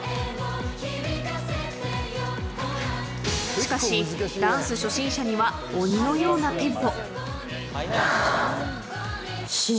しかし、ダンス初心者には鬼のようなテンポ。